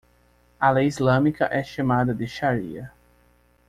A lei islâmica é chamada de shariah.